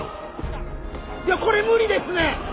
いやこれ無理ですね！